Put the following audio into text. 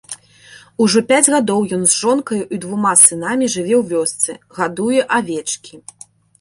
Ужо пяць гадоў ён з жонкаю і двума сынамі жыве ў вёсцы, гадуе авечкі.